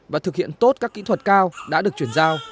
và thực hiện tốt các kỹ thuật cao đã được chuyển giao